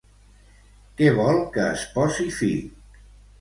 Què vol que es posi fi?